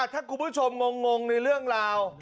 ถ้าคุณผู้ชมงงในเรื่องราว